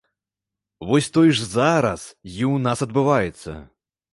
Вось тое ж зараз і ў нас адбываецца.